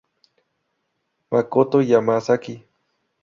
Makoto Yamazaki